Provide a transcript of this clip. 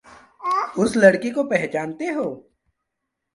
उस लड़की को पहचानते हो?